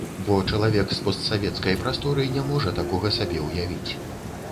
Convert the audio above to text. Бо чалавек з постсавецкай прасторы не можа такога сабе ўявіць.